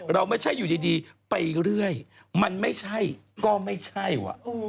เราไม่ใช่อยู่ดีไปเรื่อยมันไม่ใช่ก็ไม่ใช่